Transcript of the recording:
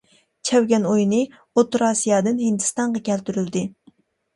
چەۋگەن ئويۇنى ئوتتۇرا ئاسىيادىن ھىندىستانغا كەلتۈرۈلدى.